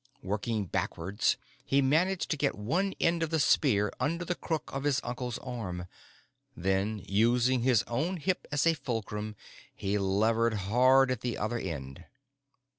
Working backwards, he managed to get one end of the spear under the crook of his uncle's arm. Then, using his own hip as a fulcrum, he levered hard at the other end.